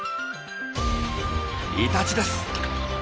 イタチです！